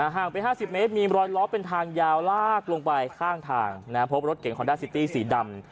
ห่างไป๕๐เมตรมีรอยล้อเป็นทางยาวลากลงไปข้างทางพบรถเก่งคอนด้าซิตี้สีดำ